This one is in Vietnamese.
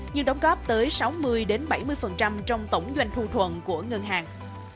nhưng đóng góp tới sáu mươi bảy mươi trong tổng doanh thu thuận của ngân hàng